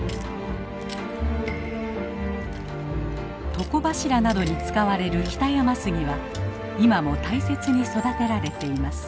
床柱などに使われる北山杉は今も大切に育てられています。